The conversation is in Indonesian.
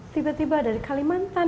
tiba tiba dari kalimantan